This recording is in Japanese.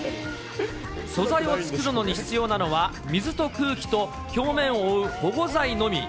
素材を作るのに必要なのは水と空気と表面を覆う保護材のみ。